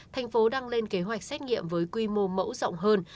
tp hcm đang lên kế hoạch xét nghiệm với quy mô mẫu rộng hơn